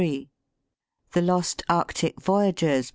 THE LOST ARCTIC VOYAGERS.